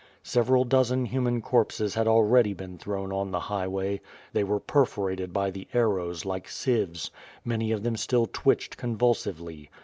Several dozen human corpses had already been thrown on the highway. They were per forated by the arrows, like sieves; many of them still twitched convulsively.